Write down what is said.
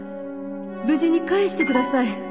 「無事に返して下さい。